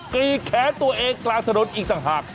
กรีดแขนตัวเองกลางถนนอีกต่างหาก